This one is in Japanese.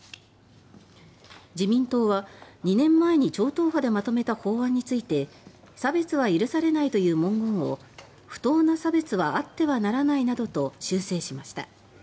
自民党は、２年前に超党派でまとめた法案について「差別は許されない」という文言を「不当な差別はあってはならない」などと修正しました。